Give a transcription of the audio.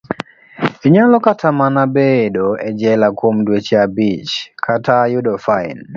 Inyalo kata mana bedo e jela kuom dweche abich, kata yudo fain.